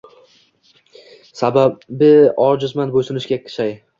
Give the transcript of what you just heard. Sababki, ojizman, bo’ysunishga shay